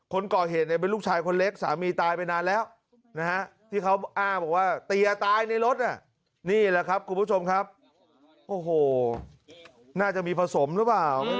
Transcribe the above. คนก่อเหตุไงเป็นลูกชายคนเล็กสามีตายไปนานแล้ว